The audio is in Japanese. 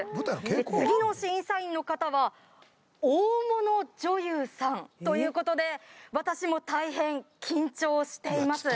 次の審査員の方はということで私も大変緊張しています